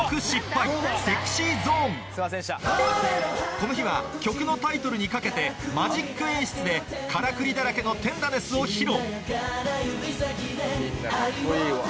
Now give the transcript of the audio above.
この日は曲のタイトルにかけてマジック演出で『カラクリだらけのテンダネス』を披露